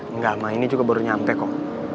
enggak mbak ini juga baru nyampe kok